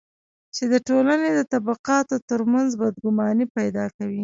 چې د ټولنې د طبقاتو ترمنځ بدګماني پیدا کوي.